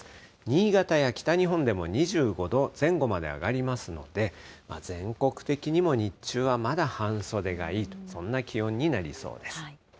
新潟や北日本でも２５度前後まで上がりますので、全国的にも日中はまだ半袖がいいと、そんな気温になりそうです。